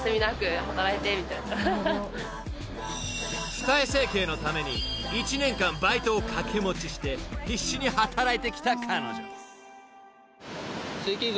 ［二重整形のために１年間バイトを掛け持ちして必死に働いてきた彼女］